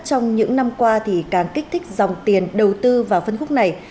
trong những năm qua thì càng kích thích dòng tiền đầu tư vào phân khúc này